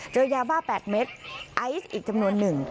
เจอยาบ้า๘เม็ดไอซ์อีกจำนวนหนึ่ง